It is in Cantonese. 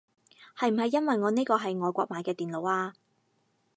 係唔係因為我呢個係外國買嘅電腦啊